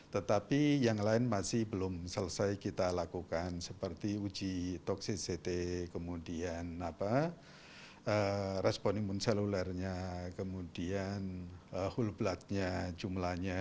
tetapi yang lain masih belum selesai kita lakukan seperti uji toksis ct kemudian respon imun selulernya kemudian whole bloodnya jumlahnya